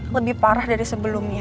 lebih parah dari sebelumnya